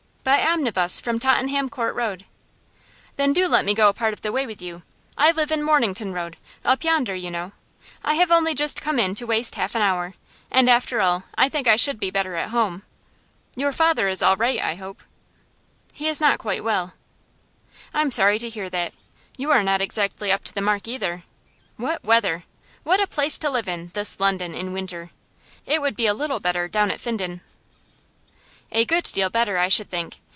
'By omnibus from Tottenham Court Road.' 'Then do let me go a part of the way with you. I live in Mornington Road up yonder, you know. I have only just come in to waste half an hour, and after all I think I should be better at home. Your father is all right, I hope?' 'He is not quite well.' 'I'm sorry to hear that. You are not exactly up to the mark, either. What weather! What a place to live in, this London, in winter! It would be a little better down at Finden.' 'A good deal better, I should think.